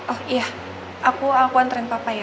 oh iya aku antren papa ya